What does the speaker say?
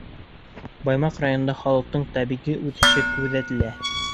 Баймаҡ районында халыҡтың тәбиғи үҫеше күҙәтелә.